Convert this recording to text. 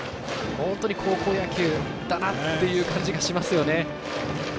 本当に高校野球だなって感じがしますよね。